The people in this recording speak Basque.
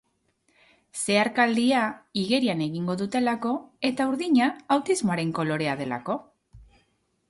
Zeharkaldia igerian egingo dutelako eta urdina autismoaren kolorea delako.